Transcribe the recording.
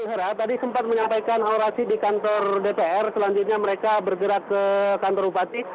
hera tadi sempat menyampaikan orasi di kantor dpr selanjutnya mereka bergerak ke kantor bupati